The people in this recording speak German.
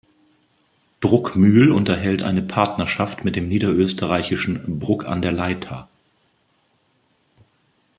Bruckmühl unterhält eine Partnerschaft mit dem niederösterreichischen Bruck an der Leitha.